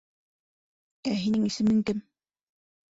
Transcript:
Ә һинең исемең кем?